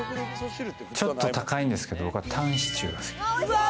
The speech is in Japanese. ちょっと高いんですけれども、僕はタンシチューが好き。